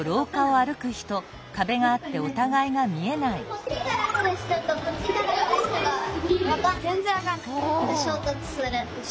・こっちから来る人とこっちから来る人が全然分かんない。